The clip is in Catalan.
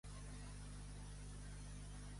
Sobre què ha parlat Hernández a l'hora d'excusar-se?